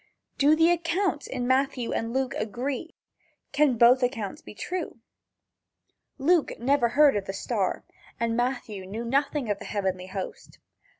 Do the accounts in Matthew and Luke agree? Can both accounts be true? Luke never heard of the star, and Matthew knew nothing of the heavenly host.